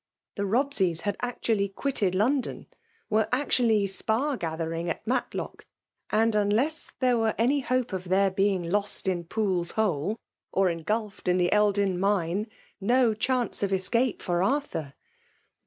The Sobseys had actually quitted London, .were actually spar gathering at Matlodc ; and unless [there were any hope of their being lost in Poole's Hole, or engulphed in the iEldin Mine, no chance of escape for Arthur